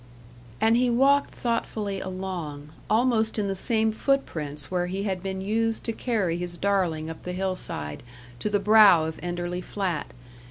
And he walked thoughtfully along, almost in the same footprints where he had been used to carry his darling up the hillside to the brow of Enderley Flat.